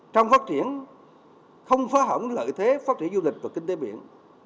trong phát triển không phá hỏng lợi thế phát triển du lịch và kinh tế biển